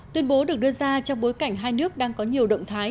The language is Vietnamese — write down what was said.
tuyên bố được đưa ra trong bối cảnh hai nước đang có nhiều động thái